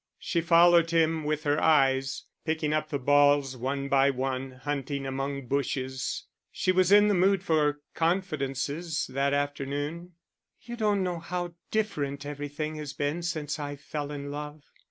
She followed him with her eyes, picking up the balls one by one, hunting among bushes: she was in the mood for confidences that afternoon. "You don't know how different everything has been since I fell in love.